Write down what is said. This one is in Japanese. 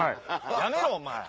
やめろお前！